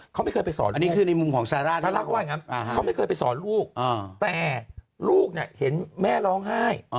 เขาไม่เคยไปสอนลูกเขาไม่เคยไปสอนลูกแต่ลูกเนี่ยเห็นแม่ร้องไห้